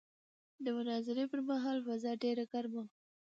د مناظرې پر مهال فضا ډېره ګرمه وه.